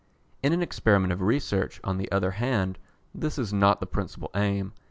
In an experiment of research, on the other hand, this is not the principal aim.